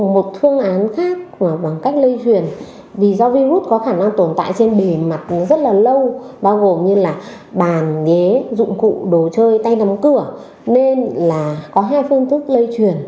một phương án khác bằng cách lây truyền vì do virus có khả năng tồn tại trên bề mặt rất là lâu bao gồm như là bàn ghế dụng cụ đồ chơi tay nắm cửa nên là có hai phương thức lây truyền